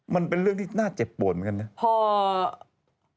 มันเป็นเรื่องที่น่าเจ็บปวดเหมือนกันนะ